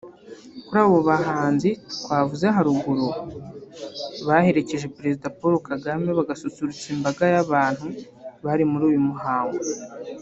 Kuri abo bahanzi twavuze haruguru baherekeje Perezida Paul Kagame bagasusurutsa imbaga y’abantu bari muri uyu muhango